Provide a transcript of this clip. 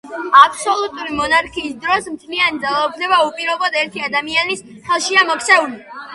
აბსოლუტური მონარქიის დროს მთლიანი ძალაუფლება უპირობოდ ერთი ადამიანის ხელშია მოქცეული.